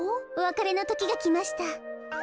おわかれのときがきました。